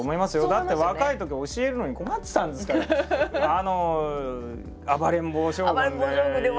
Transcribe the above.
だって若いとき教えるのに困ってたんですから暴れん坊将軍で。